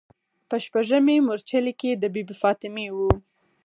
په شپږمې مورچلې کې د بي بي فاطمې و.